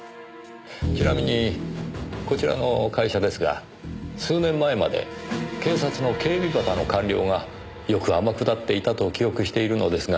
ちなみにこちらの会社ですが数年前まで警察の警備畑の官僚がよく天下っていたと記憶しているのですが。